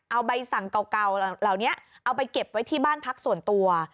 เอาใบสั่งเก่าเหล่านี้เอาไปเก็บไว้ที่บ้านพักส่วนตัว